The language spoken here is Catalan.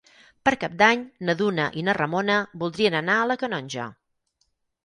Per Cap d'Any na Duna i na Ramona voldrien anar a la Canonja.